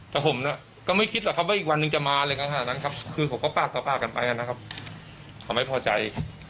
แต่ผมก็ไม่คิดหรอกครับว่าอีกวันหนึ่งจะมาเลยครับคือผมก็ปากต่อกันไปนะครับเขาไม่พอใจ